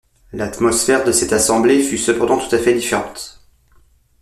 L'atmosphère de cette assemblée fut cependant tout à fait différente.